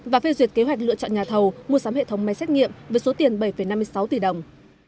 và phê duyệt kế hoạch lựa chọn nhà thầu mua sắm hệ thống máy xét nghiệm với số tiền bảy năm mươi sáu tỷ đồng